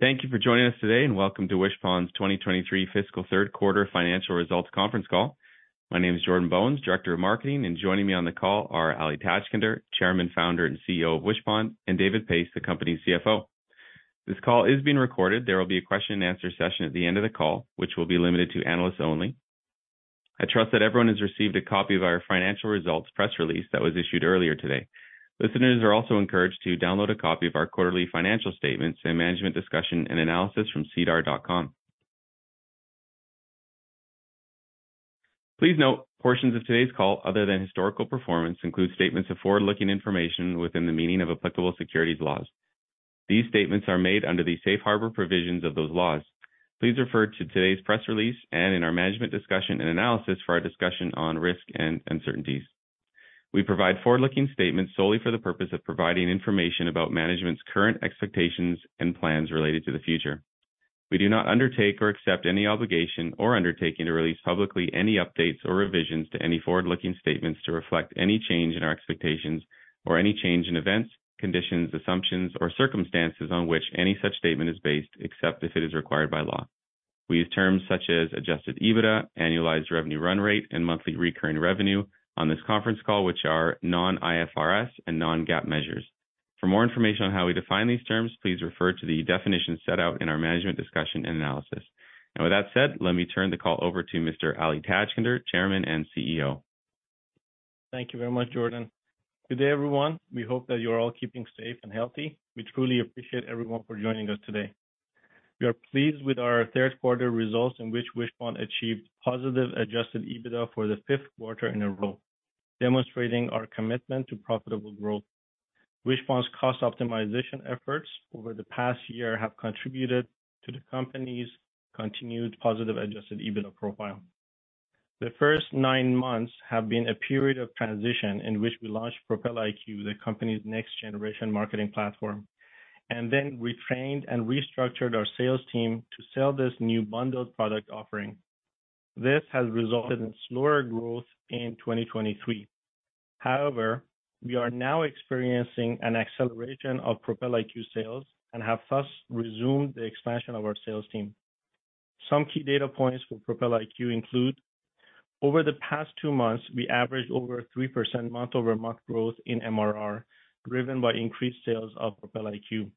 Thank you for joining us today, and Welcome to Wishpond's 2023 Fiscal Third Quarter Financial Results Conference Call. My name is Jordan Bones, Director of Marketing, and joining me on the call are Ali Tajskandar, Chairman, Founder, and CEO of Wishpond, and David Pais, the company's CFO. This call is being recorded. There will be a question and answer session at the end of the call, which will be limited to analysts only. I trust that everyone has received a copy of our financial results press release that was issued earlier today. Listeners are also encouraged to download a copy of our quarterly financial statements and management discussion and analysis from sedar.com. Please note, portions of today's call, other than historical performance, include statements of forward-looking information within the meaning of applicable securities laws. These statements are made under the safe harbor provisions of those laws. Please refer to today's press release and in our management discussion and analysis for our discussion on risk and uncertainties. We provide forward-looking statements solely for the purpose of providing information about management's current expectations and plans related to the future. We do not undertake or accept any obligation or undertaking to release publicly any updates or revisions to any forward-looking statements to reflect any change in our expectations or any change in events, conditions, assumptions, or circumstances on which any such statement is based, except if it is required by law. We use terms such as Adjusted EBITDA, Annualized Revenue Run Rate, and Monthly Recurring Revenue on this conference call, which are non-IFRS and non-GAAP measures. For more information on how we define these terms, please refer to the definition set out in our management discussion and analysis. With that said, let me turn the call over to Mr. Ali Tajskandar, Chairman and CEO. Thank you very much, Jordan. Good day, everyone. We hope that you are all keeping safe and healthy. We truly appreciate everyone for joining us today. We are pleased with our third quarter results in which Wishpond achieved positive Adjusted EBITDA for the fifth quarter in a row, demonstrating our commitment to profitable growth. Wishpond's cost optimization efforts over the past year have contributed to the company's continued positive Adjusted EBITDA profile. The first nine months have been a period of transition in which we launched Propel IQ, the company's next generation marketing platform, and then we trained and restructured our sales team to sell this new bundled product offering. This has resulted in slower growth in 2023. However, we are now experiencing an acceleration of Propel IQ sales and have thus resumed the expansion of our sales team. Some key data points for Propel IQ include: Over the past 2 months, we averaged over 3% month-over-month growth in MRR, driven by increased sales of Propel IQ.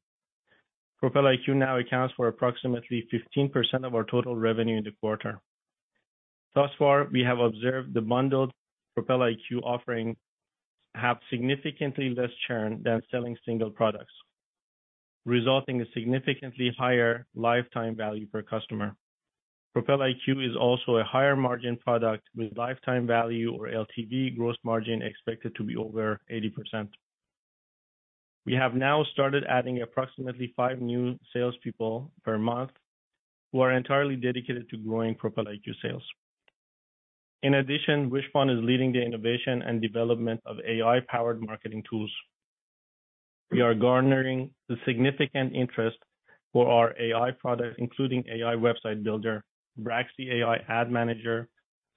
Propel IQ now accounts for approximately 15% of our total revenue in the quarter. Thus far, we have observed the bundled Propel IQ offering have significantly less churn than selling single products, resulting in significantly higher lifetime value-per-customer. Propel IQ is also a higher-margin product, with lifetime value or LTV gross margin expected to be over 80%. We have now started adding approximately five new salespeople per month who are entirely dedicated to growing Propel IQ sales. In addition, Wishpond is leading the innovation and development of AI-powered marketing tools. We are garnering the significant interest for our AI products, including AI Website Builder, Braxy AI Ad Manager,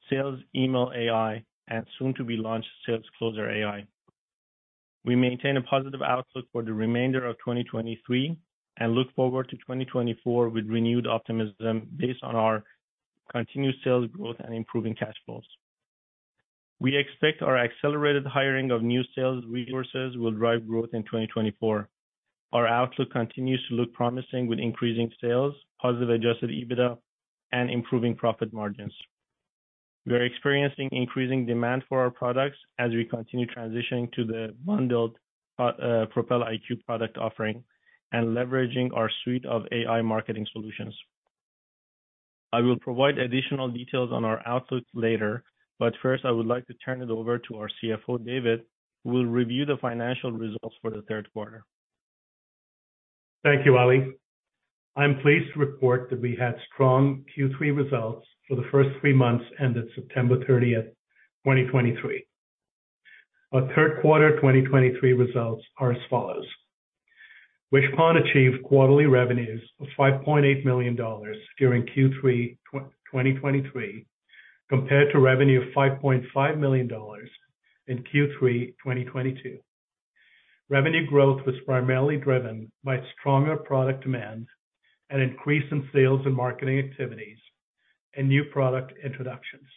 Sales Email AI, and soon to be launched SalesCloser AI. We maintain a positive outlook for the remainder of 2023 and look forward to 2024 with renewed optimism based on our continued sales growth and improving cash flows. We expect our accelerated hiring of new sales resources will drive growth in 2024. Our outlook continues to look promising with increasing sales, positive Adjusted EBITDA, and improving profit margins. We are experiencing increasing demand for our products as we continue transitioning to the bundled Propel IQ product offering and leveraging our suite of AI marketing solutions. I will provide additional details on our outlook later, but first, I would like to turn it over to our CFO, David, who will review the financial results for the third quarter. Thank you, Ali. I'm pleased to report that we had strong Q3 results for the first 3 months, ended September 30th, 2023. Our third quarter 2023 results are as follows: Wishpond achieved quarterly revenues of 5.8 million dollars during Q3, 2023, compared to revenue of $5.5 million in Q3, 2022. Revenue growth was primarily driven by stronger product demand and increase in sales and marketing activities and new product introductions.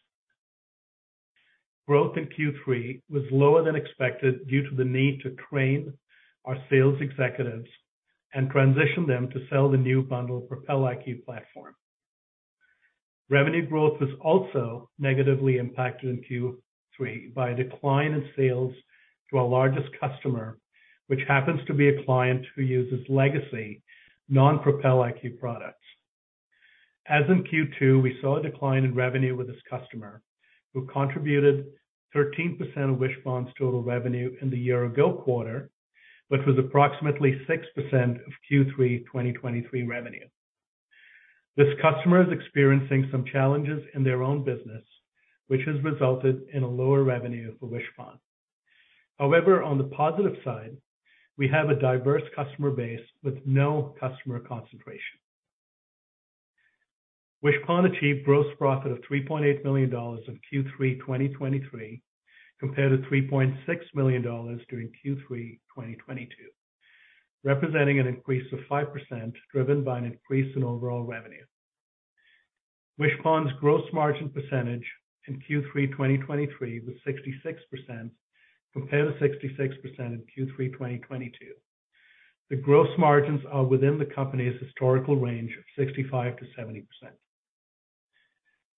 Growth in Q3 was lower than expected due to the need to train our sales executives and transition them to sell the new bundle Propel IQ platform. Revenue growth was also negatively impacted in Q3 by a decline in sales to our largest customer, which happens to be a client who uses legacy non-Propel IQ products. As in Q2, we saw a decline in revenue with this customer, who contributed 13% of Wishpond's total revenue in the year-ago quarter, but was approximately 6%, of Q3 2023 revenue. This customer is experiencing some challenges in their own business, which has resulted in a lower revenue for Wishpond. However, on the positive side, we have a diverse customer base with no customer concentration. Wishpond achieved gross profit of 3.8 million dollars in Q3 2023, compared to 3.6 million dollars during Q3 2022, representing an increase of 5%, driven by an increase in overall revenue. Wishpond's gross margin percentage in Q3 2023 was 66%, compared to 66% in Q3 2022. The gross margins are within the company's historical range of 65%-70%.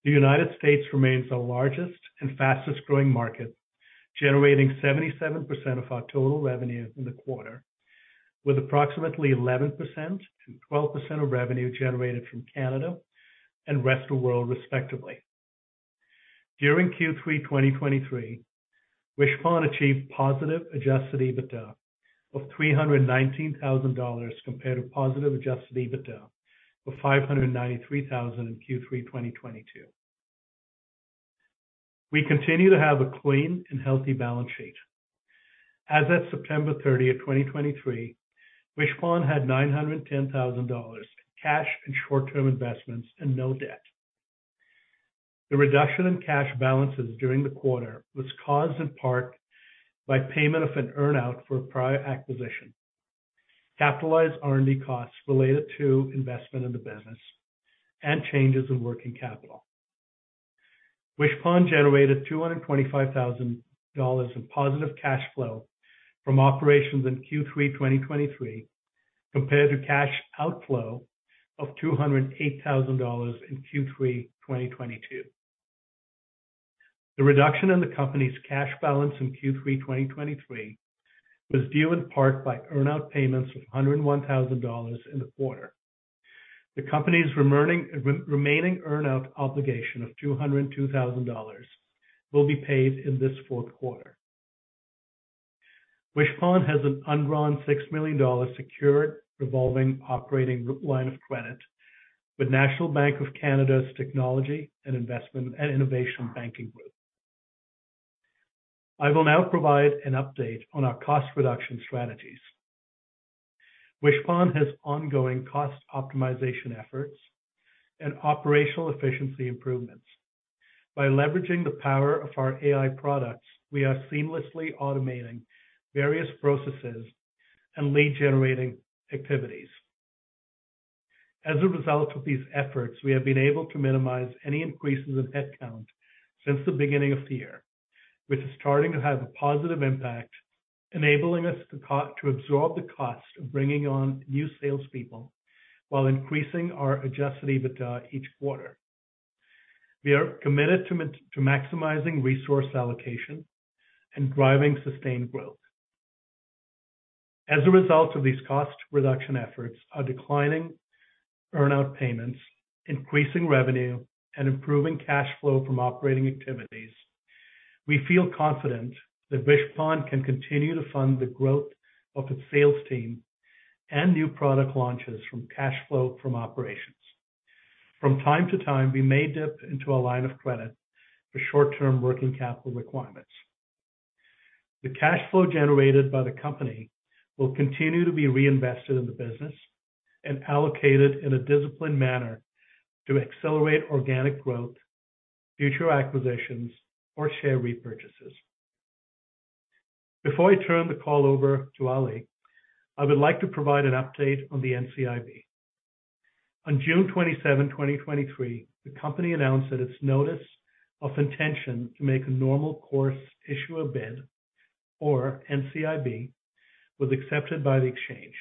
The United States remains our largest and fastest-growing market, generating 77% of our total revenue in the quarter, with approximately 11% and 12% of revenue generated from Canada and rest of world, respectively. During Q3 2023, Wishpond achieved positive Adjusted EBITDA of 319,000 dollars compared to positive Adjusted EBITDA of 593,000 in Q3 2022. We continue to have a clean and healthy balance sheet. As at September 30th, 2023, Wishpond had 910,000 dollars in cash and short-term investments and no debt. The reduction in cash balances during the quarter was caused in part by payment of an earn-out for a prior acquisition, capitalized R&D costs related to investment in the business, and changes in working capital. Wishpond generated 225,000 dollars in positive cash flow from operations in Q3 2023, compared to cash outflow of 208,000 dollars in Q3 2022. The reduction in the company's cash balance in Q3 2023 was due in part by earn-out payments of 101,000 dollars in the quarter. The company's remaining earn-out obligation of 202,000 dollars will be paid in this fourth quarter. Wishpond has an undrawn 6 million dollars secured revolving operating line of credit with National Bank of Canada's Technology and Investment and Innovation Banking Group. I will now provide an update on our cost reduction strategies. Wishpond has ongoing cost optimization efforts and operational efficiency improvements. By leveraging the power of our AI products, we are seamlessly automating various processes and lead generating activities. As a result of these efforts, we have been able to minimize any increases in headcount since the beginning of the year, which is starting to have a positive impact, enabling us to to absorb the cost of bringing on new salespeople while increasing our Adjusted EBITDA each quarter. We are committed to to maximizing resource allocation and driving sustained growth. As a result of these cost reduction efforts, our declining earn-out payments, increasing revenue, and improving cash flow from operating activities, we feel confident that Wishpond can continue to fund the growth of its sales team and new product launches from cash flow from operations. From time to time, we may dip into a line of credit for short-term working capital requirements. The cash flow generated by the company will continue to be reinvested in the business and allocated in a disciplined manner to accelerate organic growth, future acquisitions, or share repurchases. Before I turn the call over to Ali, I would like to provide an update on the NCIB. On June 27, 2023, the company announced that its notice of intention to make a normal course issuer bid, or NCIB, was accepted by the exchange.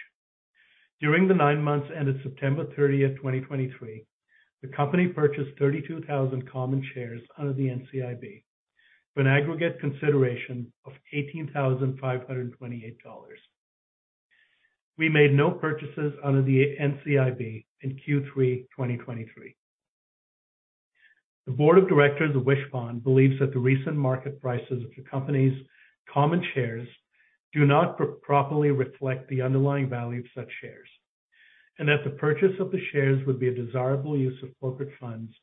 During the 9 months ended September 30th, 2023, the company purchased 32,000 common shares under the NCIB, for an aggregate consideration of 18,528 dollars. We made no purchases under the NCIB in Q3 2023. The board of directors of Wishpond believes that the recent market prices of the company's common shares do not properly reflect the underlying value of such shares, and that the purchase of the shares would be a desirable use of corporate funds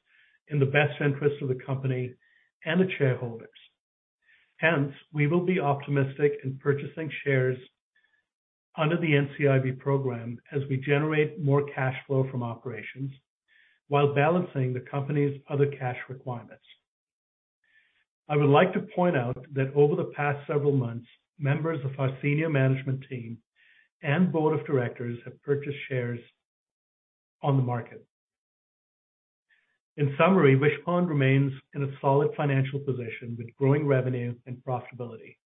in the best interest of the company and the shareholders. Hence, we will be optimistic in purchasing shares under the NCIB program as we generate more cash flow from operations, while balancing the company's other cash requirements. I would like to point out that over the past several months, members of our senior management team and board of directors have purchased shares on the market. In summary, Wishpond remains in a solid financial position, with growing revenue and profitability.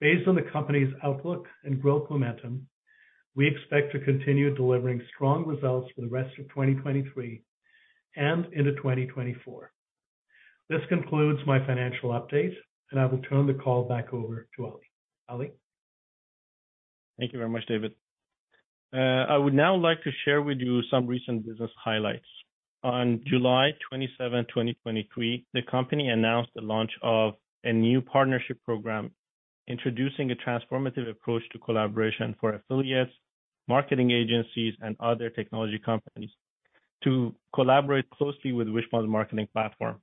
Based on the company's outlook and growth momentum, we expect to continue delivering strong results for the rest of 2023 and into 2024. This concludes my financial update, and I will turn the call back over to Ali. Ali? Thank you very much, David. I would now like to share with you some recent business highlights. On July 27th, 2023, the company announced the launch of a new partnership program, introducing a transformative approach to collaboration for affiliates, marketing agencies, and other technology companies to collaborate closely with Wishpond's marketing platform....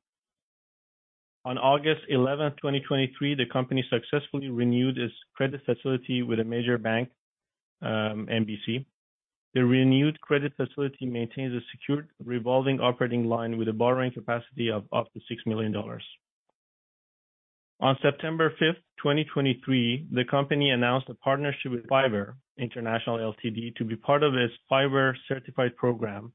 On August 11th, 2023, the company successfully renewed its credit facility with a major bank, NBC. The renewed credit facility maintains a secured revolving operating line with a borrowing capacity of up to 6 million dollars. On September 5th, 2023, the company announced a partnership with Fiverr International Ltd, to be part of its Fiverr Certified program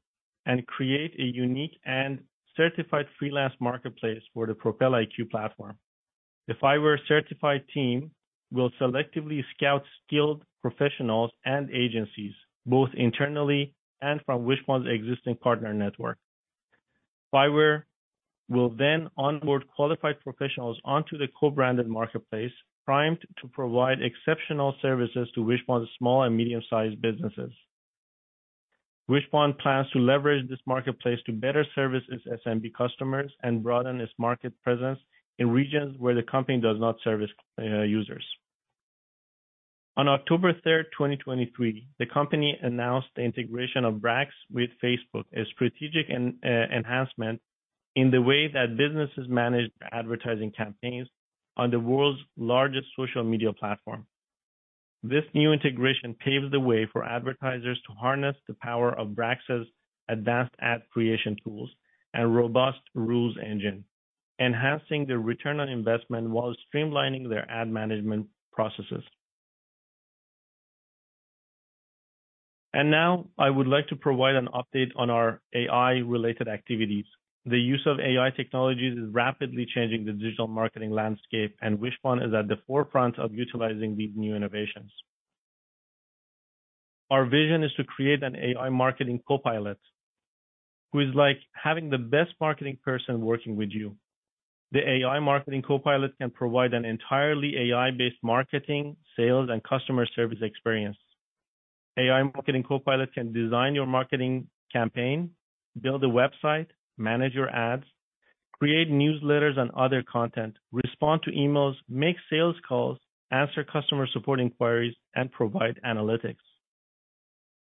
and create a unique and certified freelance marketplace for the Propel IQ platform. The Fiverr Certified team will selectively scout skilled professionals and agencies, both internally and from Wishpond's existing partner network. Fiverr will then onboard qualified professionals onto the co-branded marketplace, primed to provide exceptional services to Wishpond's small and medium-sized businesses. Wishpond plans to leverage this marketplace to better service its SMB customers and broaden its market presence in regions where the company does not service users. On October 3rd, 2023, the company announced the integration of Braxy with Facebook, a strategic enhancement in the way that businesses manage their advertising campaigns on the world's largest social media platform. This new integration paves the way for advertisers to harness the power of Braxy's advanced ad creation tools and robust rules engine, enhancing the return on investment while streamlining their ad management processes. Now I would like to provide an update on our AI-related activities. The use of AI technologies is rapidly changing the digital marketing landscape, and Wishpond is at the forefront of utilizing these new innovations. Our vision is to create an AI Marketing Co-Pilot, who is like having the best marketing person working with you. The AI Marketing Co-Pilot can provide an entirely AI-based marketing, sales, and customer service experience. AI Marketing Co-Pilot can design your marketing campaign, build a website, manage your ads, create newsletters and other content, respond to emails, make sales calls, answer customer support inquiries, and provide analytics.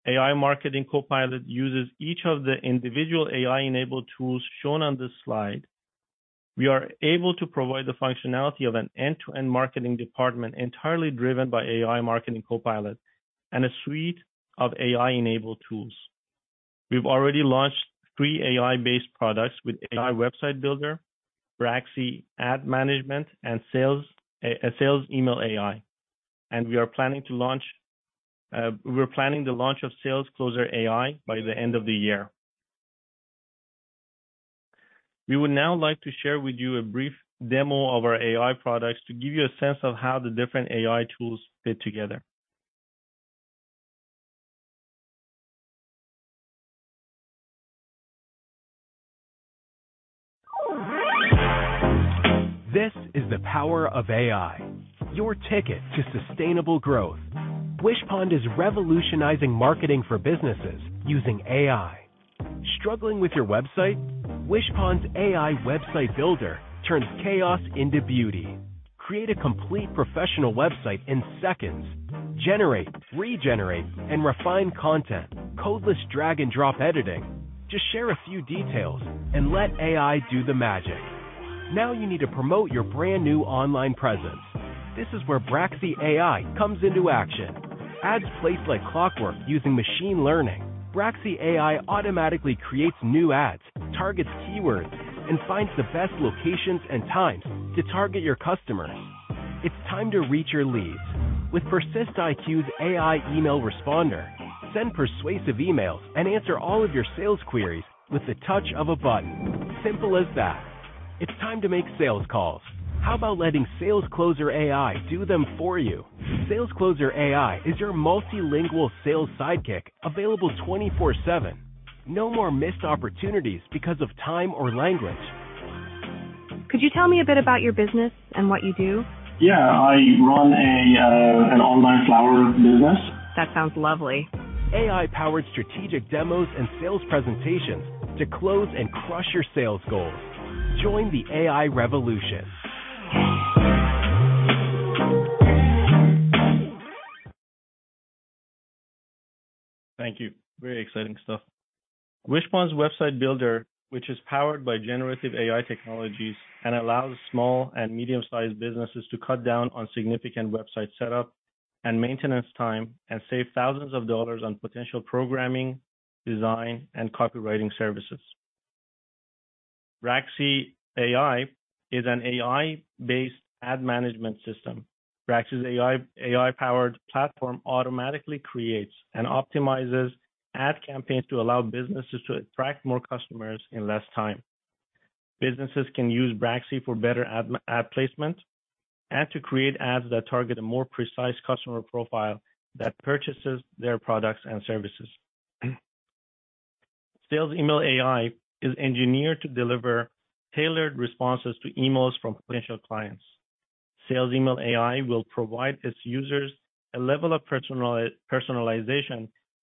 AI Marketing Co-Pilot uses each of the individual AI-enabled tools shown on this slide. We are able to provide the functionality of an end-to-end marketing department entirely driven by AI Marketing Co-Pilot and a suite of AI-enabled tools. We've already launched three AI-based products with AI Website Builder, Braxy Ad Management, and Sales Email AI, and we are planning to launch. We're planning the launch of by the end of the year. We would now like to share with you a brief demo of our AI products to give you a sense of how the different AI tools fit together. This is the power of AI, your ticket to sustainable growth. Wishpond is revolutionizing marketing for businesses using AI. Struggling with your website? Wishpond's AI Website Builder turns chaos into beauty. Create a complete professional website in seconds. Generate, regenerate, and refine content, codeless drag and drop editing. Just share a few details and let AI do the magic. Now you need to promote your brand new online presence. This is where Braxy AI comes into action. Ads placed like clockwork using machine learning. Braxy AI automatically creates new ads, targets keywords, and finds the best locations and times to target your customers. It's time to reach your leads. With PersistIQ's AI email responder, send persuasive emails and answer all of your sales queries with the touch of a button. Simple as that. It's time to make sales calls. How about letting SalesCloser AI do them for you? SalesCloser AI is your multilingual sales sidekick, available 24/7. No more missed opportunities because of time or language. Could you tell me a bit about your business and what you do? Yeah, I run an online flower business. That sounds lovely. AI-powered strategic demos and sales presentations to close and crush your sales goals. Join the AI revolution. Thank you. Very exciting stuff. Wishpond's Website Builder, which is powered by generative AI technologies and allows small and medium-sized businesses to cut down on significant website setup and maintenance time, and save thousands of dollars on potential programming, design, and copywriting services. Braxy AI is an AI-based ad management system. Braxy's AI-powered platform automatically creates and optimizes ad campaigns to allow businesses to attract more customers in less time. Businesses can use Braxy for better ad placement and to create ads that target a more precise customer profile that purchases their products and services. Sales Email AI is engineered to deliver tailored responses to emails from potential clients. Sales Email AI will provide its users a level of personalization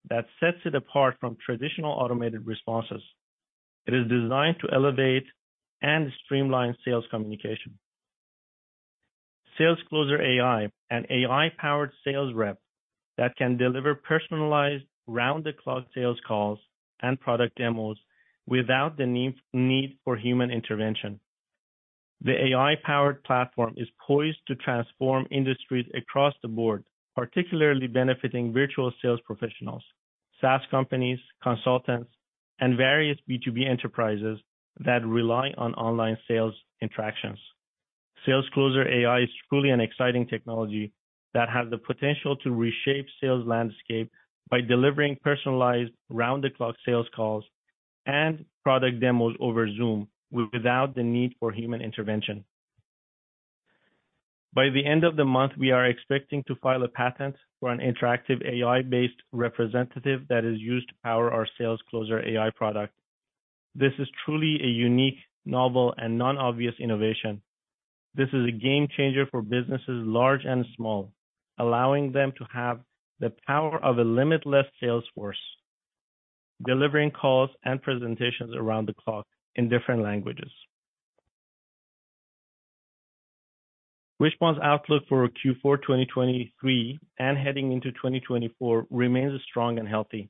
that sets it apart from traditional automated responses. It is designed to elevate and streamline sales communications. SalesCloser AI, an AI-powered sales rep that can deliver personalized, round-the-clock sales calls and product demos without the need for human intervention. The AI-powered platform is poised to transform industries across the board, particularly benefiting virtual sales professionals, SaaS companies, consultants, and various B2B enterprises that rely on online sales interactions. SalesCloser AI is truly an exciting technology that has the potential to reshape sales landscape by delivering personalized, round-the-clock sales calls and product demos over Zoom, without the need for human intervention. By the end of the month, we are expecting to file a patent for an interactive AI-based representative that is used to power our SalesCloser AI product. This is truly a unique, novel, and non-obvious innovation. This is a game changer for businesses large and small, allowing them to have the power of a limitless sales force, delivering calls and presentations around the clock in different languages. Wishpond's outlook for Q4, 2023, and heading into 2024, remains strong and healthy.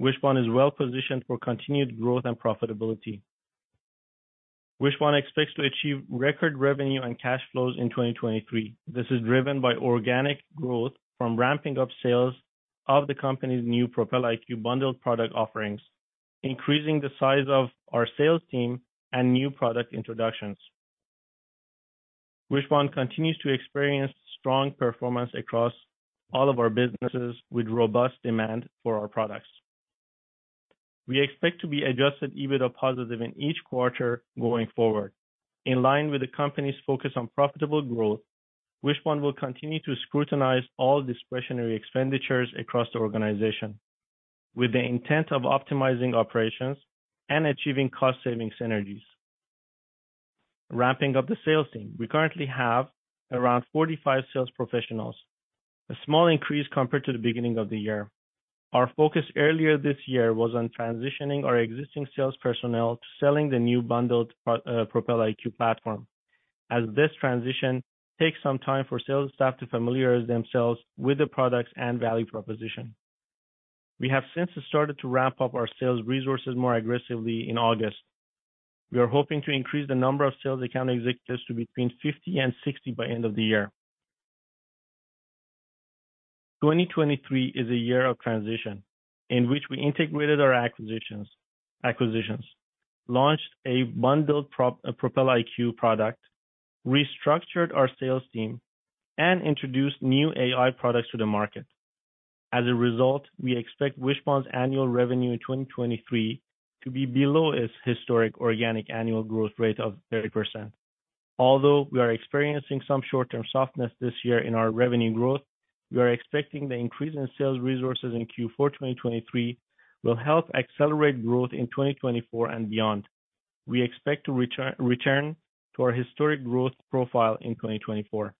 Wishpond is well positioned for continued growth and profitability. Wishpond expects to achieve record revenue and cash flows in 2023. This is driven by organic growth from ramping up sales of the company's new Propel IQ bundled product offerings, increasing the size of our sales team, and new product introductions. Wishpond continues to experience strong performance across all of our businesses, with robust demand for our products. We expect to be Adjusted EBITDA positive in each quarter going forward. In line with the company's focus on profitable growth, Wishpond will continue to scrutinize all discretionary expenditures across the organization, with the intent of optimizing operations and achieving cost-saving synergies. Ramping up the sales team. We currently have around 45 sales professionals, a small increase compared to the beginning of the year. Our focus earlier this year was on transitioning our existing sales personnel to selling the new bundled pro, Propel IQ platform, as this transition takes some time for sales staff to familiarize themselves with the products and value proposition. We have since started to ramp up our sales resources more aggressively in August. We are hoping to increase the number of sales account executives to between 50 and 60 by end of the year. 2023 is a year of transition in which we integrated our acquisitions, launched a bundled Propel IQ product, restructured our sales team, and introduced new AI products to the market. As a result, we expect Wishpond's annual revenue in 2023 to be below its historic organic annual growth rate of 30%. Although we are experiencing some short-term softness this year in our revenue growth, we are expecting the increase in sales resources in Q4 2023 will help accelerate growth in 2024 and beyond. We expect to return to our historic growth profile in 2024.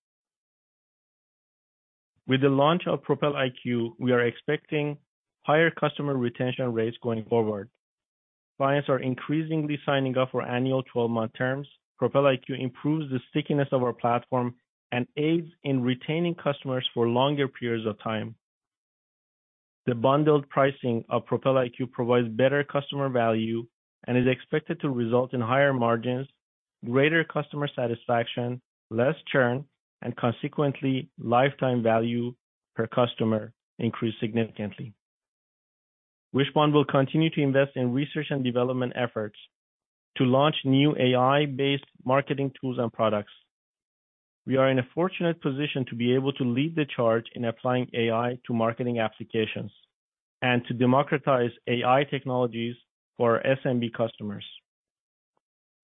With the launch of Propel IQ, we are expecting higher customer retention rates going forward. Clients are increasingly signing up for annual 12-month terms. Propel IQ improves the stickiness of our platform and aids in retaining customers for longer periods of time. The bundled pricing of Propel IQ provides better customer value and is expected to result in higher margins, greater customer satisfaction, less churn, and consequently, lifetime value per customer increased significantly. Wishpond will continue to invest in research and development efforts to launch new AI-based marketing tools and products. We are in a fortunate position to be able to lead the charge in applying AI to marketing applications, and to democratize AI technologies for our SMB customers.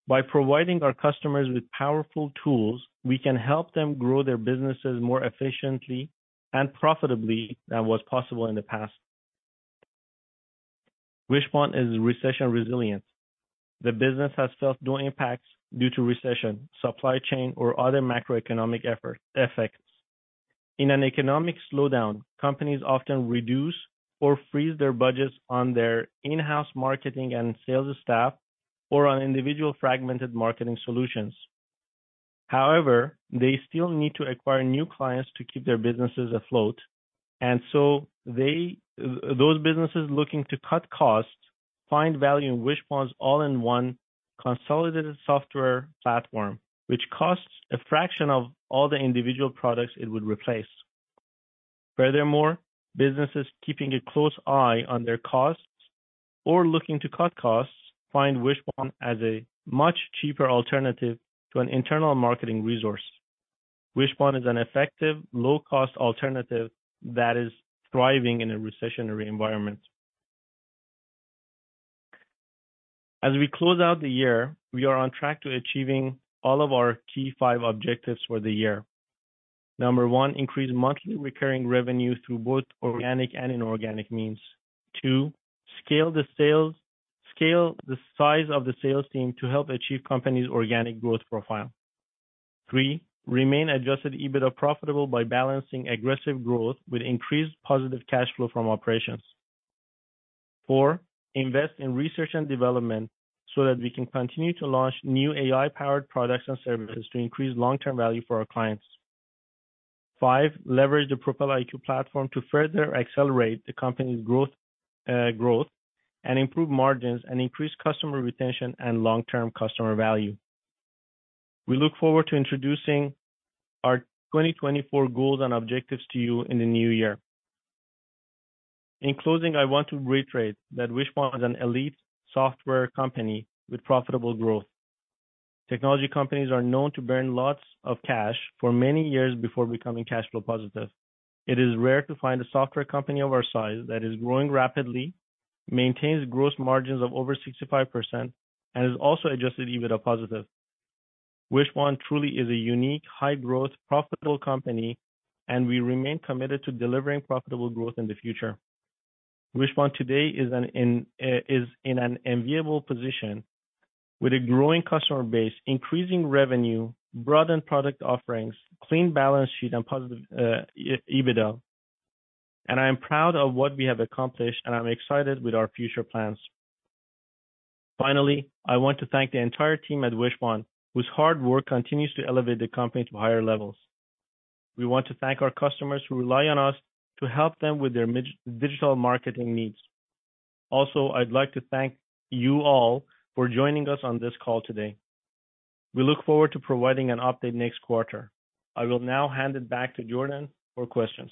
By providing our customers with powerful tools, we can help them grow their businesses more efficiently and profitably than was possible in the past. Wishpond is recession resilient. The business has felt no impacts due to recession, supply chain, or other macroeconomic effects. In an economic slowdown, companies often reduce or freeze their budgets on their in-house marketing and sales staff, or on individual fragmented marketing solutions. However, they still need to acquire new clients to keep their businesses afloat. And so they, those businesses looking to cut costs, find value in Wishpond's all-in-one consolidated software platform, which costs a fraction of all the individual products it would replace. Furthermore, businesses keeping a close eye on their costs or looking to cut costs, find Wishpond as a much cheaper alternative to an internal marketing resource. Wishpond is an effective, low-cost alternative that is thriving in a recessionary environment. As we close out the year, we are on track to achieving all of our key five objectives for the year. Number one, increase monthly recurring revenue through both organic and inorganic means. Two, scale the size of the sales team to help achieve company's organic growth profile. Three, remain Adjusted EBITDA profitable by balancing aggressive growth with increased positive cash flow from operations... Four, invest in research and development, so that we can continue to launch new AI-powered products and services to increase long-term value for our clients. Five, leverage the Propel IQ platform to further accelerate the company's growth, and improve margins and increase customer retention and long-term customer value. We look forward to introducing our 2024 goals and objectives to you in the new year. In closing, I want to reiterate that Wishpond is an elite software company with profitable growth. Technology companies are known to burn lots of cash for many years before becoming cash flow positive. It is rare to find a software company of our size that is growing rapidly, maintains gross margins of over 65%, and is also Adjusted EBITDA positive. Wishpond truly is a unique, high-growth, profitable company, and we remain committed to delivering profitable growth in the future. Wishpond today is in an enviable position with a growing customer base, increasing revenue, broadened product offerings, clean balance sheet, and positive EBITDA. I am proud of what we have accomplished, and I'm excited with our future plans. Finally, I want to thank the entire team at Wishpond, whose hard work continues to elevate the company to higher levels. We want to thank our customers who rely on us to help them with their digital marketing needs. Also, I'd like to thank you all for joining us on this call today. We look forward to providing an update next quarter. I will now hand it back to Jordan for questions.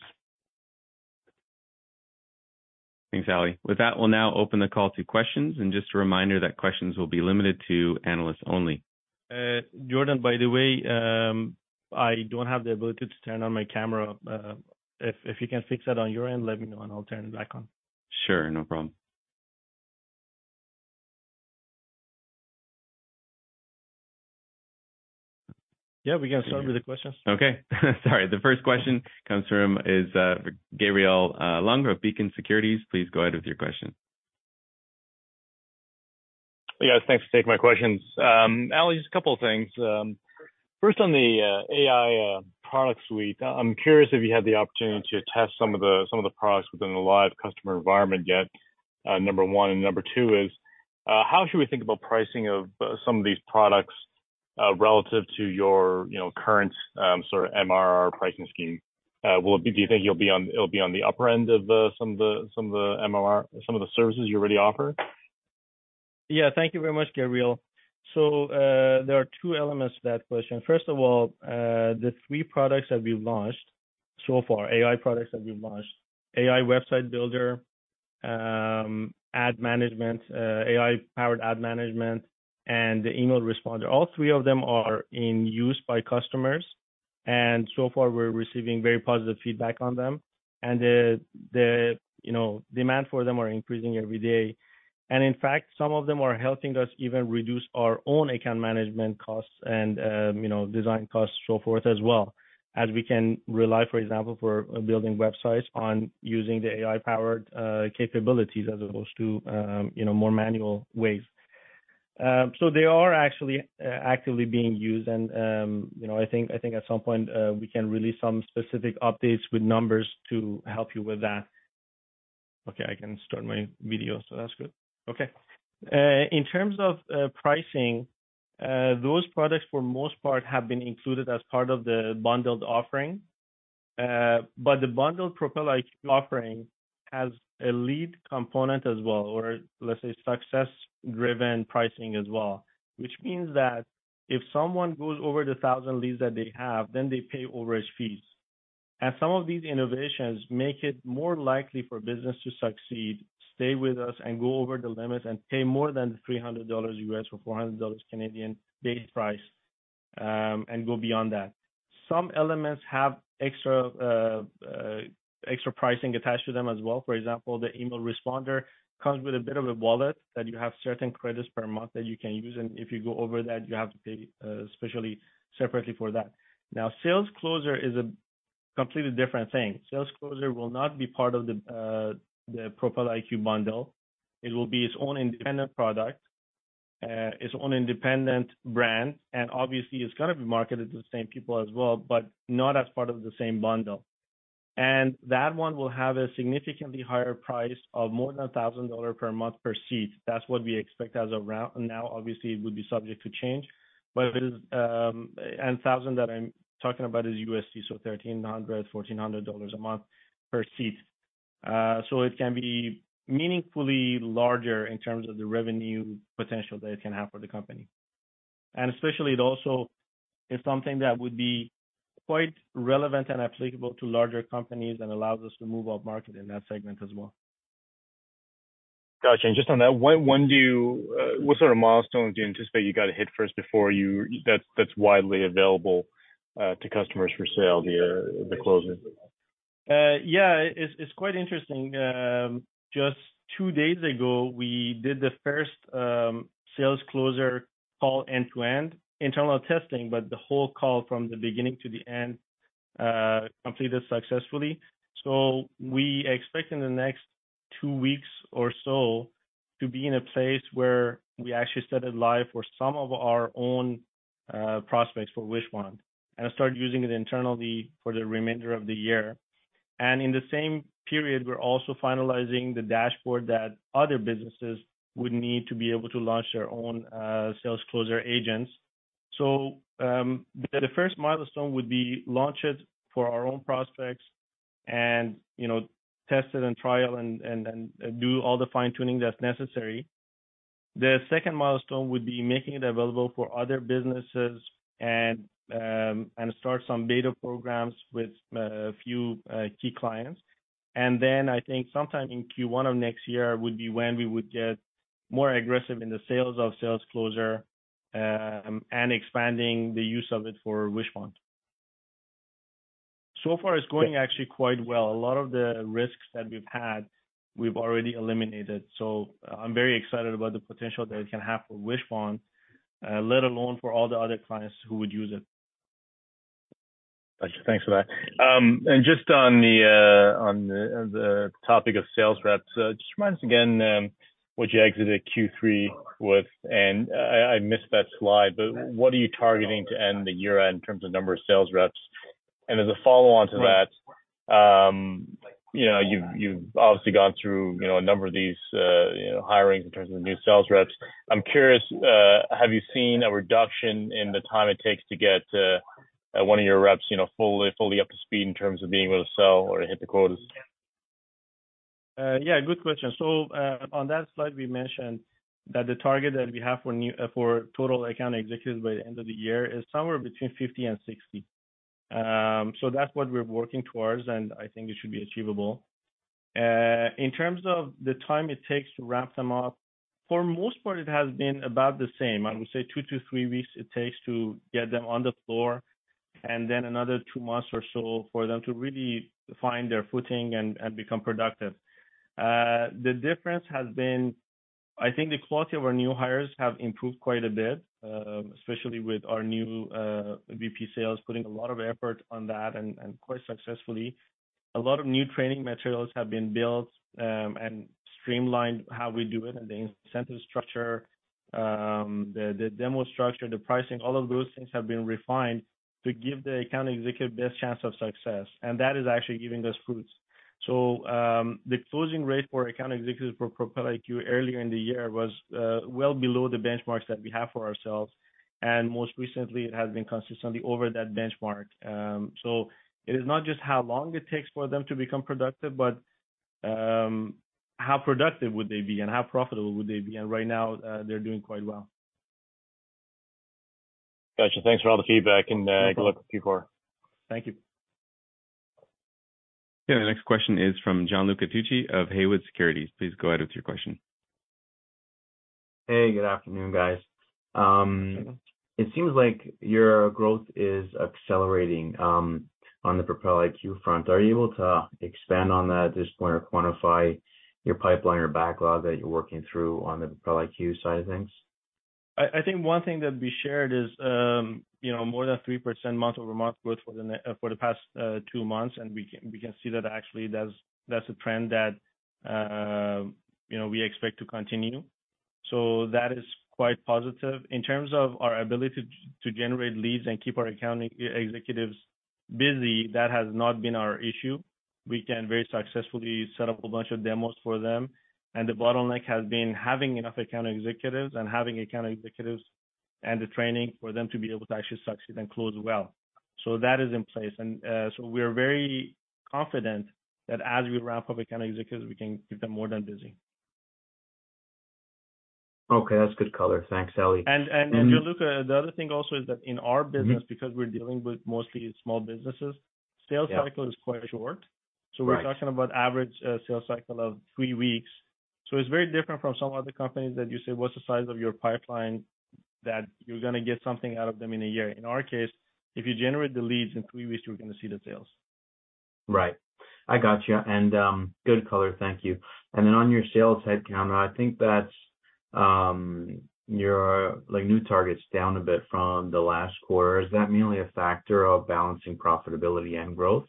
Thanks, Ali. With that, we'll now open the call to questions. Just a reminder that questions will be limited to analysts only. Jordan, by the way, I don't have the ability to turn on my camera. If you can fix that on your end, let me know, and I'll turn it back on. Sure, no problem. Yeah, we can start with the questions. Okay. Sorry. The first question comes from Gabriel Leung of Beacon Securities. Please go ahead with your question. Yes, thanks for taking my questions. Ali, just a couple of things. First, on the AI product suite, I'm curious if you had the opportunity to test some of the products within a live customer environment yet, number one. And number two is, how should we think about pricing of some of these products relative to your, you know, current sort of MRR pricing scheme? Do you think it'll be on the upper-end of the MRR, some of the services you already offer? Yeah, thank you very much, Gabriel. So, there are two elements to that question. First of all, the three products that we've launched so far, AI products that we've launched, AI Website Builder, AI Ad Manager, AI-powered ad management, and the AI Email Responder. All three of them are in use by customers, and so far, we're receiving very positive feedback on them, and you know, demand for them are increasing every day. And in fact, some of them are helping us even reduce our own account management costs and, you know, design costs, so forth, as well as we can rely, for example, for building websites on using the AI-powered capabilities as opposed to, you know, more manual ways. So they are actually, actively being used and, you know, I think, I think at some point we can release some specific updates with numbers to help you with that. Okay, I can start my video, so that's good. Okay. In terms of pricing, those products, for the most part, have been included as part of the bundled offering. But the bundled Propel IQ offering has a lead component as well, or let's say, success-driven pricing as well, which means that if someone goes over the 1,000 leads that they have, then they pay overage fees. And some of these innovations make it more likely for business to succeed, stay with us, and go over the limits, and pay more than $300 U.S., or 400 Canadian dollars Canadian base price, and go beyond that. Some elements have extra pricing attached to them as well. For example, the Email Responder comes with a bit of a wallet, that you have certain credits per month that you can use, and if you go over that, you have to pay separately for that. Now, SalesCloser is a completely different thing. SalesCloser will not be part of the Propel IQ bundle. It will be its own independent product, its own independent brand, and obviously, it's gonna be marketed to the same people as well, but not as part of the same bundle. And that one will have a significantly higher price of more than 1,000 dollars per month per seat. That's what we expect as of now. Obviously, it would be subject to change, but it is, a thousand that I'm talking about is USD, so $1,300-$1,400 a month per seat. So it can be meaningfully larger in terms of the revenue potential that it can have for the company. And especially, it also is something that would be quite relevant and applicable to larger companies and allows us to move upmarket in that segment as well. Gotcha. And just on that, when do you—what sort of milestones do you anticipate you got to hit first before you—that's widely available to customers for sale, the closing? Yeah, it's quite interesting. Just two days ago, we did the first SalesCloser call end-to-end, internal testing, but the whole call from the beginning to the end completed successfully. So we expect in the next two weeks or so to be in a place where we actually set it live for some of our own prospects for Wishpond, and start using it internally for the remainder of the year. In the same period, we're also finalizing the dashboard that other businesses would need to be able to launch their own SalesCloser agents. So, the first milestone would be launch it for our own prospects and, you know, test it and trial and do all the fine-tuning that's necessary. The second milestone would be making it available for other businesses and start some beta programs with a few key clients. And then I think sometime in Q1 of next year would be when we would get more aggressive in the sales of SalesCloser and expanding the use of it for Wishpond. So far, it's going actually quite well. A lot of the risks that we've had, we've already eliminated. So I'm very excited about the potential that it can have for Wishpond let alone for all the other clients who would use it. Gotcha. Thanks for that. And just on the topic of sales reps, just remind us again, what you exited Q3 with, and I missed that slide, but what are you targeting to end the year-end in terms of number of sales reps? And as a follow-on to that, you know, you've obviously gone through, you know, a number of these, you know, hirings in terms of new sales reps. I'm curious, have you seen a reduction in the time it takes to get one of your reps, you know, fully up to speed in terms of being able to sell or hit the quotas? Yeah, good question. So, on that slide, we mentioned that the target that we have for total account executives by the end of the year is somewhere between 50 and 60. So that's what we're working towards, and I think it should be achievable. In terms of the time it takes to ramp them up, for most part, it has been about the same. I would say 2-3 weeks it takes to get them on the floor, and then another 2 months or so for them to really find their footing and become productive. The difference has been, I think the quality of our new hires have improved quite a bit, especially with our new VP sales, putting a lot of effort on that and quite successfully. A lot of new training materials have been built, and streamlined how we do it, and the incentive structure, the demo structure, the pricing, all of those things have been refined to give the account executive best chance of success. And that is actually giving us fruits. So, the closing rate for account executives for Propel IQ earlier in the year was, well below the benchmarks that we have for ourselves, and most recently, it has been consistently over that benchmark. So it is not just how long it takes for them to become productive, but, how productive would they be and how profitable would they be? And right now, they're doing quite well. Got you. Thanks for all the feedback and good luck with Q4. Thank you. Yeah, the next question is from Gianluca Tucci of Haywood Securities. Please go ahead with your question. Hey, good afternoon, guys. It seems like your growth is accelerating on the Propel IQ front. Are you able to expand on that at this point or quantify your pipeline or backlog that you're working through on the Propel IQ side of things? I, I think one thing that we shared is, you know, more than 3% month-over-month growth for the past two months, and we can, we can see that actually that's, that's a trend that, you know, we expect to continue. So that is quite positive. In terms of our ability to generate leads and keep our account executives busy, that has not been our issue. We can very successfully set up a bunch of demos for them, and the bottleneck has been having enough account executives and having account executives and the training for them to be able to actually succeed and close well. So that is in place. And, so we're very confident that as we ramp up account executives, we can keep them more than busy. Okay. That's good color. Thanks, Ali. And, Gianluca, the other thing also is that in our business- Mm-hmm. because we're dealing with mostly small businesses Yeah. Sales cycle is quite short. Right. So we're talking about average sales cycle of 3 weeks. So it's very different from some other companies that you say, "What's the size of your pipeline that you're gonna get something out of them in a year?" In our case, if you generate the leads, in three weeks, you're gonna see the sales. Right. I got you, and, good color. Thank you. And then on your sales headcount, I think that's, your like, new target's down a bit from the last quarter. Is that mainly a factor of balancing profitability and growth?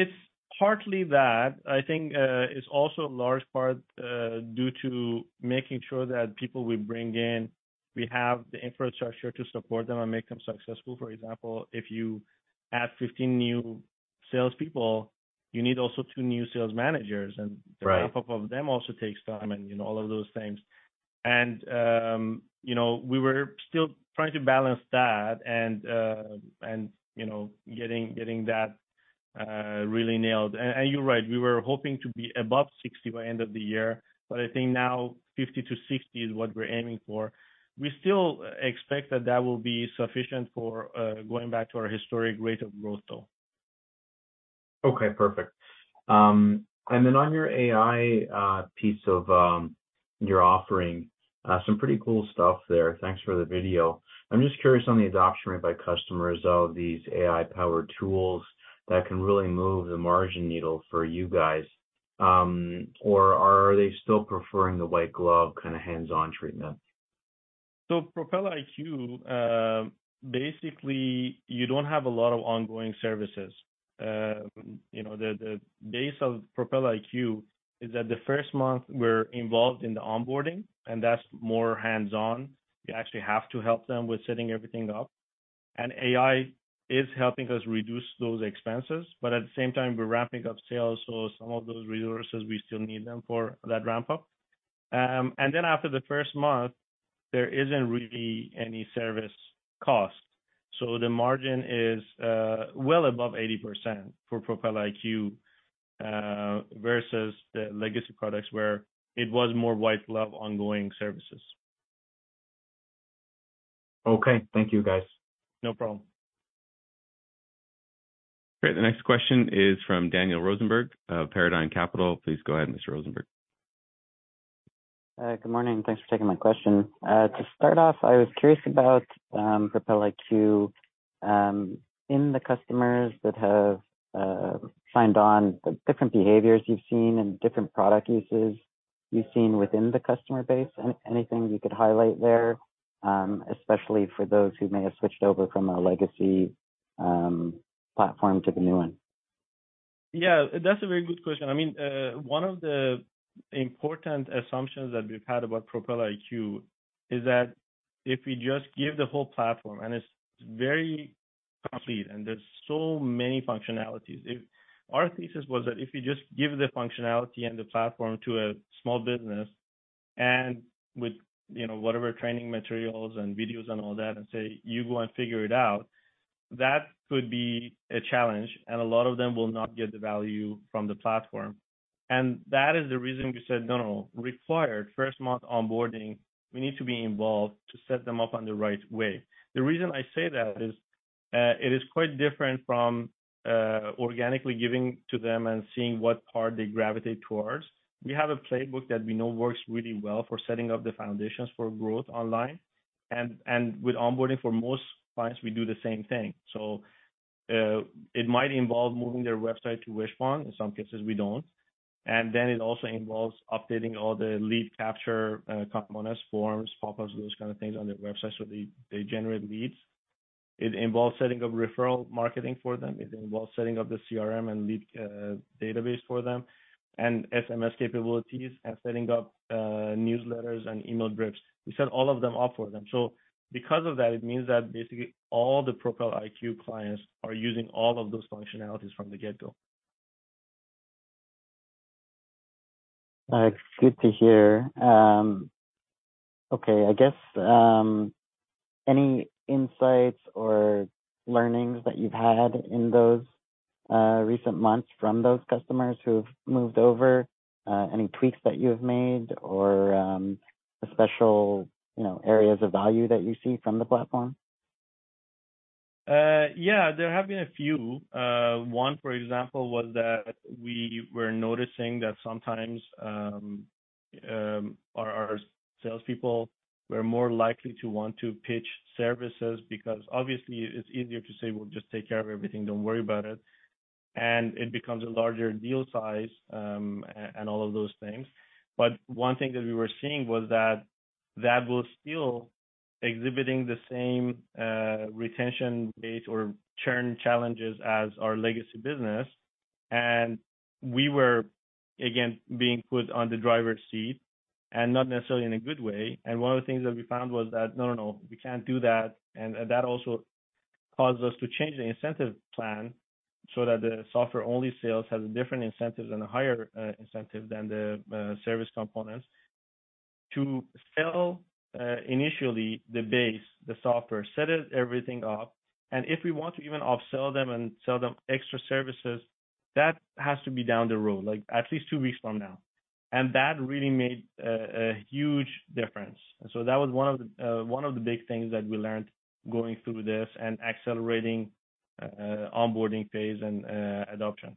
It's partly that. I think, it's also a large part, due to making sure that people we bring in, we have the infrastructure to support them and make them successful. For example, if you add 15 new salespeople, you need also two new sales managers- Right. and the ramp-up of them also takes time and, you know, all of those things. And, you know, we were still trying to balance that and, and, you know, getting that really nailed. And, you're right, we were hoping to be above 60 by end of the year, but I think now 50-60 is what we're aiming for. We still expect that that will be sufficient for, going back to our historic rate of growth, though. Okay, perfect. And then on your AI piece of your offering, some pretty cool stuff there. Thanks for the video. I'm just curious on the adoption rate by customers of these AI-powered tools that can really move the margin needle for you guys. Or are they still preferring the white glove, kind of, hands-on treatment?... So Propel IQ, basically, you don't have a lot of ongoing services. You know, the base of Propel IQ is that the first month we're involved in the onboarding, and that's more hands-on. We actually have to help them with setting everything up, and AI is helping us reduce those expenses, but at the same time, we're ramping up sales, so some of those resources, we still need them for that ramp up. And then after the first month, there isn't really any service cost. So the margin is well above 80% for Propel IQ, versus the legacy products, where it was more wide, flat, ongoing services. Okay. Thank you, guys. No problem. Great. The next question is from Daniel Rosenberg of Paradigm Capital. Please go ahead, Mr. Rosenberg. Good morning, thanks for taking my question. To start off, I was curious about Propel IQ, in the customers that have signed on, the different behaviors you've seen and different product uses you've seen within the customer base. Anything you could highlight there, especially for those who may have switched over from a legacy platform to the new one? Yeah, that's a very good question. I mean, one of the important assumptions that we've had about Propel IQ is that if we just give the whole platform, and it's very complete and there's so many functionalities. Our thesis was that if you just give the functionality and the platform to a small business, and with, you know, whatever training materials and videos and all that, and say, "You go and figure it out," that could be a challenge, and a lot of them will not get the value from the platform. And that is the reason we said, "No, no, required first month onboarding, we need to be involved to set them up on the right way." The reason I say that is, it is quite different from organically giving to them and seeing what part they gravitate towards. We have a playbook that we know works really well for setting up the foundations for growth online, and with onboarding, for most clients, we do the same thing. So, it might involve moving their website to Wishpond. In some cases, we don't. And then it also involves updating all the lead capture components, forms, pop-ups, those kind of things on their website, so they generate leads. It involves setting up referral marketing for them, it involves setting up the CRM and lead database for them, and SMS capabilities, and setting up newsletters and email drips. We set all of them up for them. So because of that, it means that basically all the Propel IQ clients are using all of those functionalities from the get-go. It's good to hear. Okay, I guess, any insights or learnings that you've had in those recent months from those customers who've moved over, any tweaks that you've made or, special, you know, areas of value that you see from the platform? Yeah, there have been a few. One, for example, was that we were noticing that sometimes our salespeople were more likely to want to pitch services because obviously it's easier to say, "Well, just take care of everything, don't worry about it." And it becomes a larger deal size, and all of those things. But one thing that we were seeing was that that was still exhibiting the same retention rate or churn challenges as our legacy business. And we were, again, being put on the driver's seat and not necessarily in a good way. And one of the things that we found was that, no, no, no, we can't do that, and that also caused us to change the incentive plan so that the software-only sales has a different incentive and a higher incentive than the service components. To sell, initially the base, the software, set it everything up, and if we want to even upsell them and sell them extra services, that has to be down the road, like at least two weeks from now. And that really made a huge difference. So that was one of the big things that we learned going through this and accelerating onboarding phase and adoption.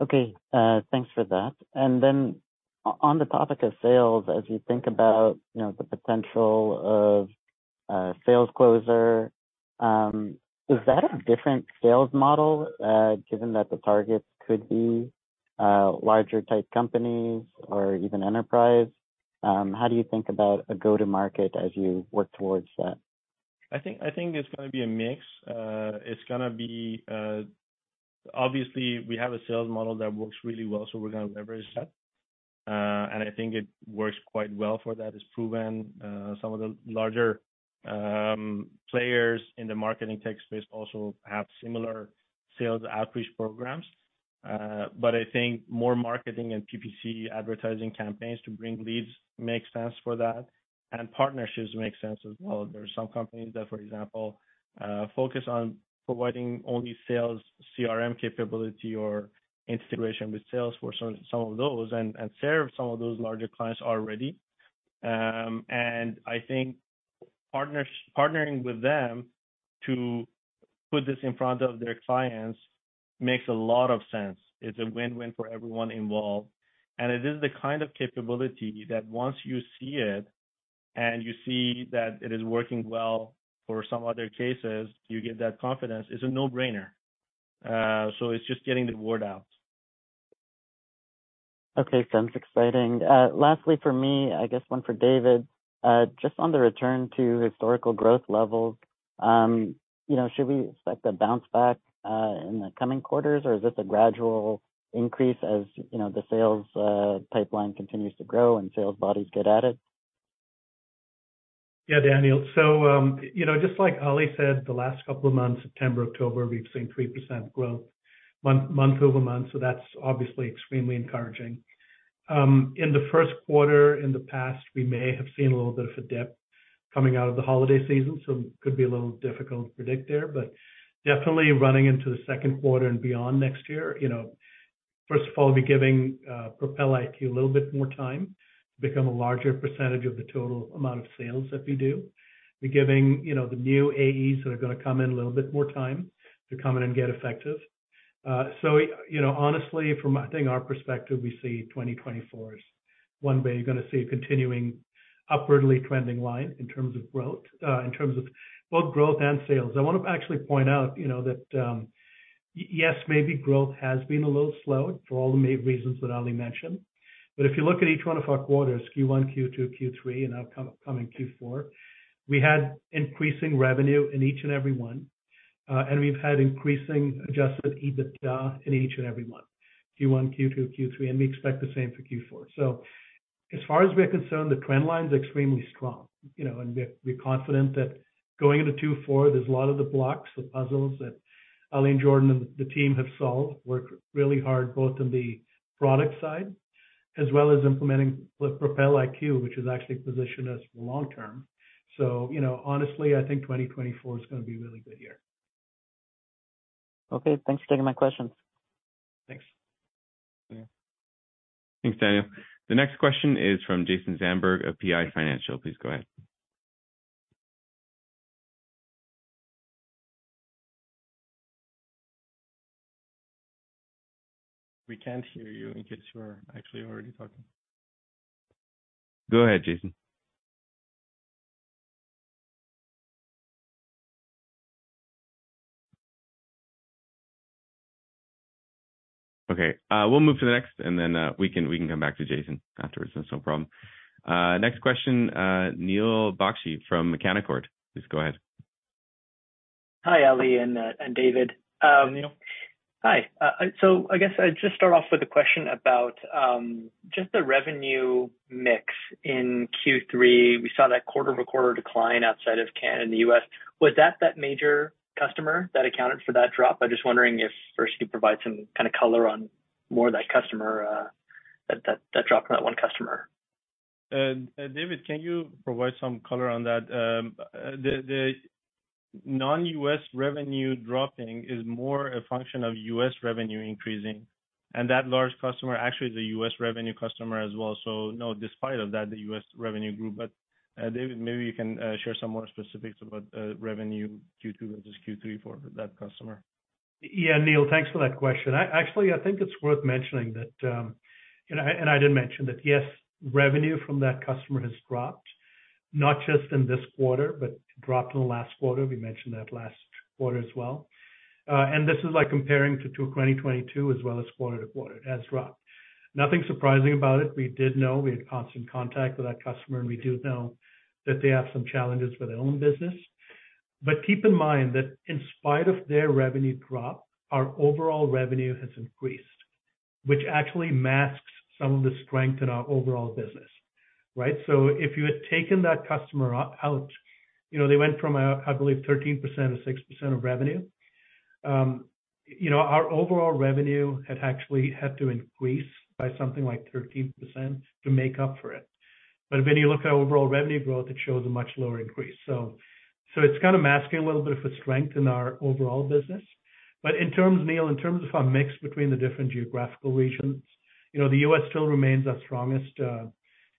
Okay. Thanks for that. And then on the topic of sales, as you think about, you know, the potential of a SalesCloser, is that a different sales model, given that the targets could be larger type companies or even enterprise? How do you think about a go-to-market as you work towards that? I think it's gonna be a mix. It's gonna be a mix. Obviously, we have a sales model that works really well, so we're gonna leverage that. And I think it works quite well for that. It's proven, some of the larger players in the marketing tech space also have similar sales outreach programs. But I think more marketing and PPC advertising campaigns to bring leads makes sense for that, and partnerships make sense as well. There are some companies that, for example, focus on providing only sales CRM capability or integration with Salesforce or some of those and serve some of those larger clients already. And I think partnering with them to put this in front of their clients makes a lot of sense. It's a win-win for everyone involved, and it is the kind of capability that once you see it and you see that it is working well for some other cases, you get that confidence. It's a no-brainer. So, it's just getting the word out.... Okay, sounds exciting. Lastly, for me, I guess one for David. Just on the return to historical growth levels, you know, should we expect a bounce back in the coming quarters? Or is this a gradual increase as, you know, the sales pipeline continues to grow and sales bodies get added? Yeah, Daniel. So, you know, just like Ali said, the last couple of months, September, October, we've seen 3% growth month-over-month, so that's obviously extremely encouraging. In the first quarter, in the past, we may have seen a little bit of a dip coming out of the holiday season, so could be a little difficult to predict there. But definitely running into the second quarter and beyond next year, you know, first of all, be giving Propel IQ a little bit more time to become a larger percentage of the total amount of sales that we do. We're giving, you know, the new AEs that are going to come in a little bit more time to come in and get effective. So, you know, honestly, from, I think, our perspective, we see 2024 as one way you're going to see a continuing upwardly trending line in terms of growth, in terms of both growth and sales. I want to actually point out, you know, that yes, maybe growth has been a little slow for all the main reasons that Ali mentioned. But if you look at each one of our quarters, Q1, Q2, Q3, and upcoming Q4, we had increasing revenue in each and every one. And we've had increasing Adjusted EBITDA in each and every one, Q1, Q2, Q3, and we expect the same for Q4. So as far as we're concerned, the trend line is extremely strong, you know, and we're confident that going into 2024, there's a lot of the blocks, the puzzles that Ali and Jordan and the team have solved, worked really hard, both on the product side as well as implementing with Propel IQ, which has actually positioned us for the long term. So, you know, honestly, I think 2024 is going to be a really good year. Okay. Thanks for taking my questions. Thanks. Thanks, Daniel. The next question is from Jason Zandberg of PI Financial. Please go ahead. We can't hear you in case you are actually already talking. Go ahead, Jason. Okay, we'll move to the next, and then, we can, we can come back to Jason afterwards. That's no problem. Next question, Neil Bakshi from Canaccord. Please go ahead. Hi, Ali and, and David. Hi, Neil. Hi. So I guess I'd just start off with a question about just the revenue mix in Q3. We saw that quarter-over-quarter decline outside of Canada and the U.S. Was that major customer that accounted for that drop? I'm just wondering if first you'd provide some kind of color on more of that customer, that drop from that one customer. David, can you provide some color on that? The non-U.S. revenue dropping is more a function of U.S. revenue increasing, and that large customer actually is a U.S. revenue customer as well. So no, despite of that, the U.S. revenue grew. But, David, maybe you can share some more specifics about revenue Q2 versus Q3 for that customer. Yeah, Neil, thanks for that question. I actually think it's worth mentioning that, and I did mention that, yes, revenue from that customer has dropped, not just in this quarter, but dropped in the last quarter. We mentioned that last quarter as well. And this is like comparing to 2022 as well as quarter to quarter, it has dropped. Nothing surprising about it. We did know. We had constant contact with that customer, and we do know that they have some challenges with their own business. But keep in mind that in spite of their revenue drop, our overall revenue has increased, which actually masks some of the strength in our overall business, right? So if you had taken that customer out, you know, they went from, I believe, 13%-6% of revenue. You know, our overall revenue had actually had to increase by something like 13% to make up for it. But when you look at overall revenue growth, it shows a much lower increase. So it's kind of masking a little bit of a strength in our overall business. But Neil, in terms of our mix between the different geographical regions, you know, the U.S. still remains our strongest,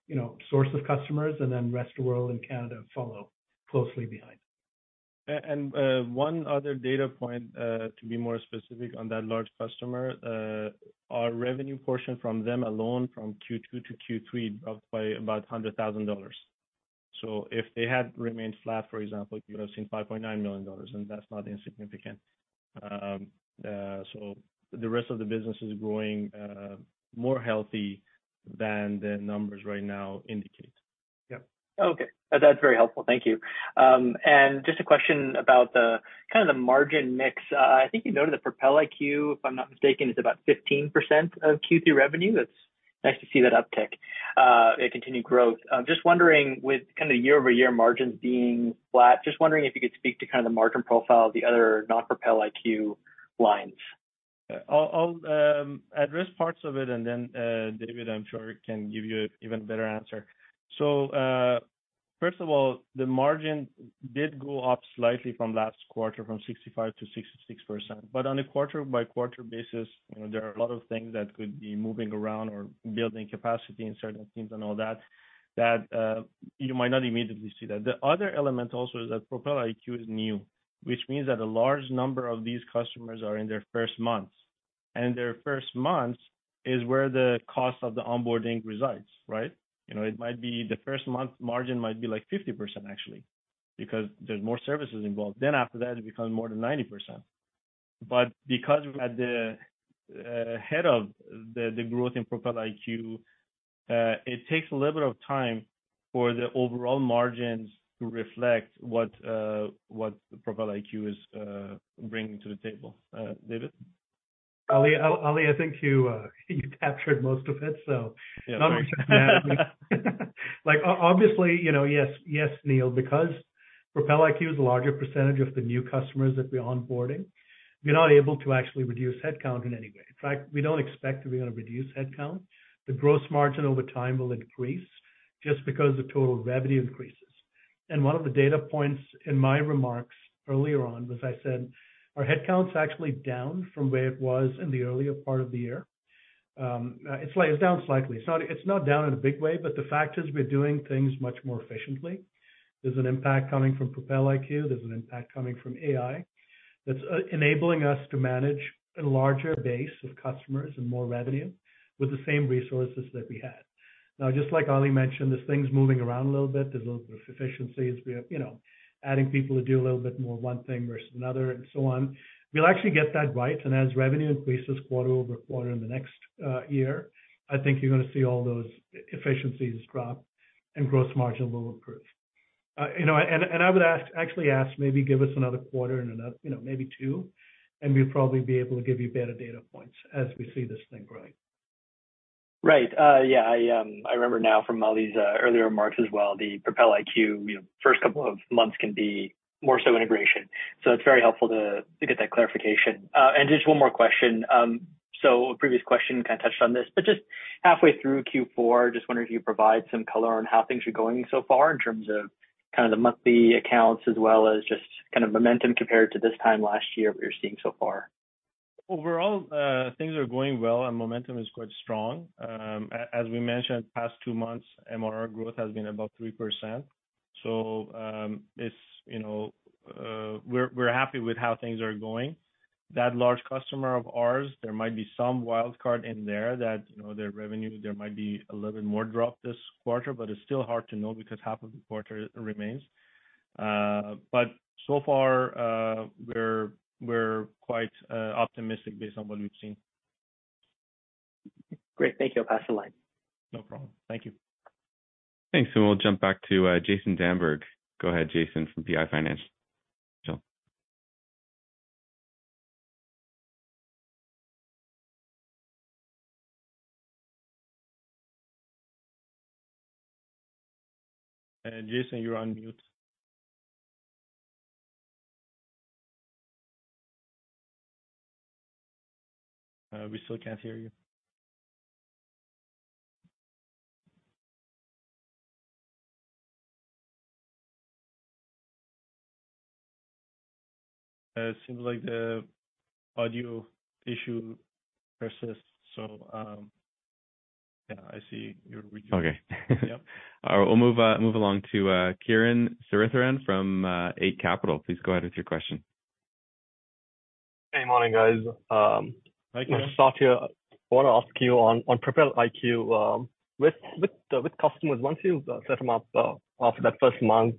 you know, source of customers, and then rest of the world and Canada follow closely behind. One other data point to be more specific on that large customer, our revenue portion from them alone from Q2 to Q3 dropped by about 100,000 dollars. So if they had remained flat, for example, you would have seen 5.9 million dollars, and that's not insignificant. So the rest of the business is growing more healthy than the numbers right now indicate. Yep. Okay. That's very helpful. Thank you. And just a question about the, kind of the margin mix. I think you noted the Propel IQ, if I'm not mistaken, is about 15% of Q3 revenue. That's nice to see that uptick, and continued growth. I'm just wondering, with kind of year-over-year margins being flat, just wondering if you could speak to kind of the margin profile of the other non-Propel IQ lines. I'll address parts of it, and then, David, I'm sure, can give you an even better answer. So, first of all, the margin did go up slightly from last quarter, from 65%-66%. But on a quarter-by-quarter basis, you know, there are a lot of things that could be moving around or building capacity in certain things and all that, that you might not immediately see that. The other element also is that Propel IQ is new, which means that a large number of these customers are in their first months, and their first months is where the cost of the onboarding resides, right? You know, it might be the first month margin might be like 50%, actually, because there's more services involved. Then after that, it becomes more than 90%. But because we're at the head of the growth in Propel IQ, it takes a little bit of time for the overall margins to reflect what the Propel IQ is bringing to the table. David? Ali, I think you captured most of it, so- Yeah, great. Like, obviously, you know, yes, yes, Neil, because Propel IQ is a larger percentage of the new customers that we're onboarding, we're not able to actually reduce headcount in any way. In fact, we don't expect that we're gonna reduce headcount. The gross margin over time will increase just because the total revenue increases. One of the data points in my remarks earlier on was I said, our headcount is actually down from where it was in the earlier part of the year. It's like, it's down slightly. It's not, it's not down in a big way, but the fact is, we're doing things much more efficiently. There's an impact coming from Propel IQ, there's an impact coming from AI, that's enabling us to manage a larger base of customers and more revenue with the same resources that we had. Now, just like Ali mentioned, there's things moving around a little bit. There's a little bit of efficiencies. We have, you know, adding people to do a little bit more one thing versus another, and so on. We'll actually get that right, and as revenue increases quarter-over-quarter in the next year, I think you're gonna see all those efficiencies drop and gross margin will improve. You know, and I would actually ask, maybe give us another quarter and another, you know, maybe two, and we'll probably be able to give you better data points as we see this thing growing. Right. Yeah, I remember now from Ali's earlier remarks as well, the Propel IQ, you know, first couple of months can be more so integration. So it's very helpful to get that clarification. And just one more question. So a previous question kind of touched on this, but just halfway through Q4, just wondering if you could provide some color on how things are going so far in terms of kind of the monthly accounts, as well as just kind of momentum compared to this time last year, what you're seeing so far? Overall, things are going well and momentum is quite strong. As we mentioned, the past 2 months, MRR growth has been above 3%. So, you know, we're happy with how things are going. That large customer of ours, there might be some wild card in there that, you know, their revenue, there might be a little bit more drop this quarter, but it's still hard to know because half of the quarter remains. But so far, we're quite optimistic based on what we've seen. Great. Thank you. I'll pass the line. No problem. Thank you. Thanks, and we'll jump back to Jason Zandberg. Go ahead, Jason, from PI Financial. Jason. Jason, you're on mute. We still can't hear you. It seems like the audio issue persists, so, yeah, I see you're- Okay. Yeah. We'll move along to Kiran Sritharan from Eight Capital. Please go ahead with your question. Hey, morning, guys. Hi, Kiran. I'll start here. I wanna ask you on Propel IQ, with customers, once you set them up, after that first month,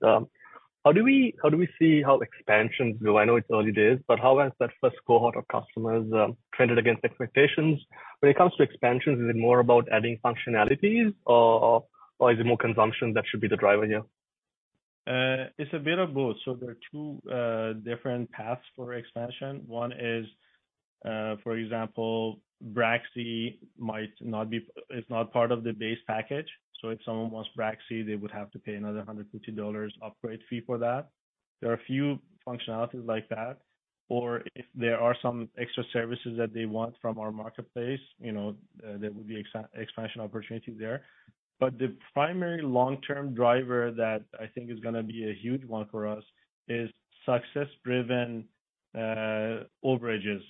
how do we see how expansions go? I know it's early days, but how has that first cohort of customers trended against expectations? When it comes to expansions, is it more about adding functionalities or is it more consumption that should be the driver here? It's a bit of both. So there are two different paths for expansion. One is, for example, Braxy is not part of the base package. So if someone wants Braxy, they would have to pay another 150 dollars upgrade fee for that. There are a few functionalities like that, or if there are some extra services that they want from our marketplace, you know, there would be expansion opportunities there. But the primary long-term driver that I think is gonna be a huge one for us, is success-driven overages.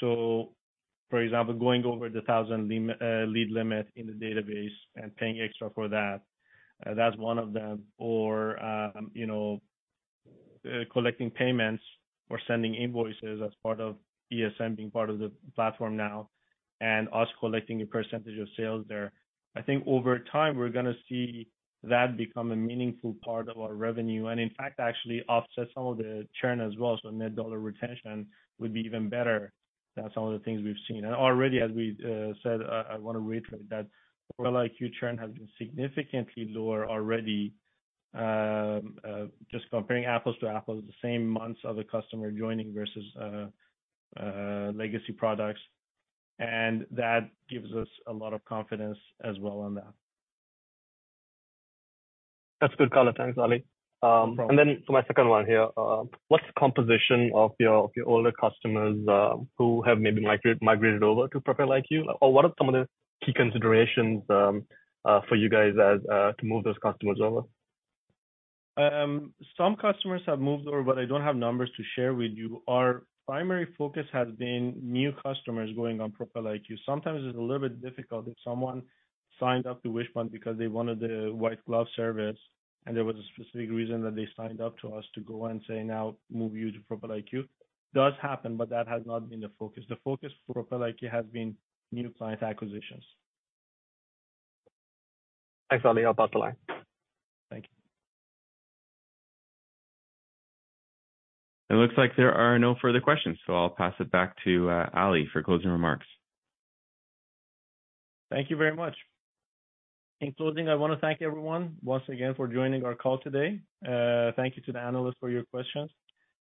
So for example, going over the 1,000 limit, lead limit in the database and paying extra for that, that's one of them. Or, you know, collecting payments or sending invoices as part of ESM being part of the platform now, and us collecting a percentage of sales there. I think over time, we're gonna see that become a meaningful part of our revenue, and in fact, actually offset some of the churn as well. So net dollar retention would be even better than some of the things we've seen. Already, as we said, I wanna reiterate that Propel IQ churn has been significantly lower already. Just comparing apples to apples, the same months of the customer joining versus legacy products, and that gives us a lot of confidence as well on that. That's good color. Thanks, Ali. No problem. For my second one here, what's the composition of your older customers who have maybe migrated over to Propel IQ? Or what are some of the key considerations for you guys as to move those customers over? Some customers have moved over, but I don't have numbers to share with you. Our primary focus has been new customers going on Propel IQ. Sometimes it's a little bit difficult if someone signed up to Wishpond because they wanted the white glove service, and there was a specific reason that they signed up to us to go and say, "Now, move you to Propel IQ." It does happen, but that has not been the focus. The focus for Propel IQ has been new client acquisitions. Thanks, Ali. I'll pass the line. Thank you. It looks like there are no further questions, so I'll pass it back to Ali for closing remarks. Thank you very much. In closing, I wanna thank everyone once again for joining our call today. Thank you to the analysts for your questions.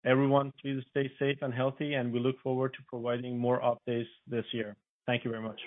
Everyone, please sta y safe and healthy, and we look forward to providing more updates this year. Thank you very much.